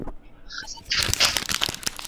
دا شيان ئې سره ګډ کړل، همدا د رسول الله وليمه وه.